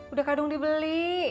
udah kadung dibeli